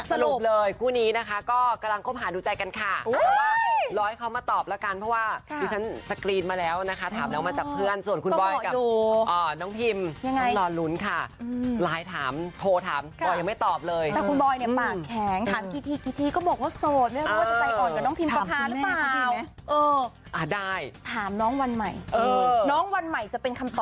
สรุปเลยคู่นี้ก็กำลังควบหาดูใจกันค่ะ